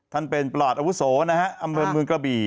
ท่านเป็นปลอดอาวุโสนะฮะอำเภอเมืองกระบี่